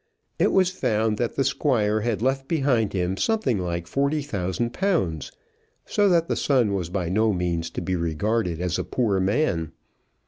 It was found that the Squire had left behind him something like forty thousand pounds, so that the son was by no means to be regarded as a poor man.